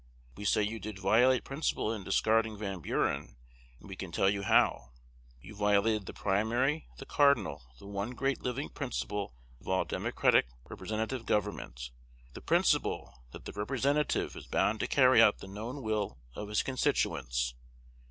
We say you did violate principle in discarding Van Buren, and we can tell you how. You violated the primary, the cardinal, the one great living principle of all Democratic representative government, the principle that the representative is bound to carry out the known will of his constituents.